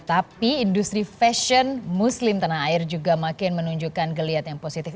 tapi industri fashion muslim tanah air juga makin menunjukkan geliat yang positif